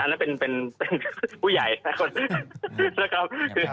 อันนั้นเป็นผู้ใหญ่นะครับ